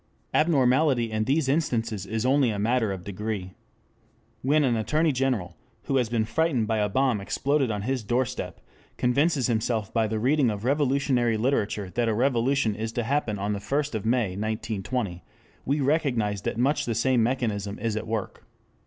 Abnormality in these instances is only a matter of degree. When an Attorney General, who has been frightened by a bomb exploded on his doorstep, convinces himself by the reading of revolutionary literature that a revolution is to happen on the first of May 1920, we recognize that much the same mechanism is at work.